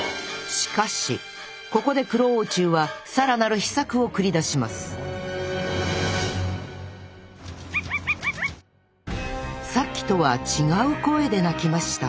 しかしここでクロオウチュウは更なる秘策を繰り出しますさっきとは違う声で鳴きました！